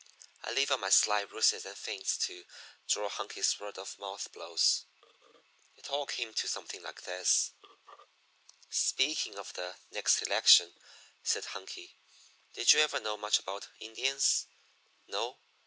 I leave out my sly ruses and feints to draw Hunky's word of mouth blows it all came to something like this: "Speaking of the next election," said Hunky, "did you ever know much about Indians? No?